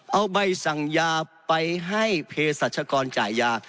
เอาใบสั่งยาไปให้เพศรัชกรจ่ายยา